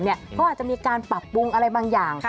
เขาอาจจะมีการปรับปรุงอะไรบางอย่าง